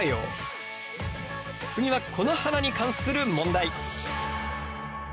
次はこの花に関する問題。